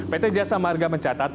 pt jasa marga mencatat